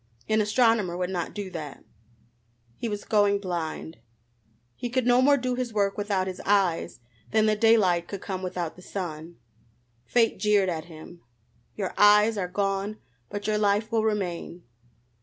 An astronomer would not do that. He was going blind. He could no more do his work without his eyes than the daylight could come without the sun. Fate jeered at him: "Your eyes are gone, but your life will remain."